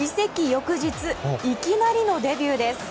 翌日いきなりのデビューです。